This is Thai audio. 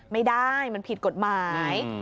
ไม่ได้มันผิดกฎหมาย